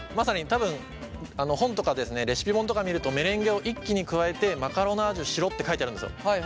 多分本とかレシピ本とか見るとメレンゲを一気に加えてマカロナージュしろって書いてあるんですよ。